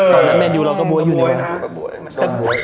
ตอนแมนยูเราก็บ๊วยอยู่ดีกว่า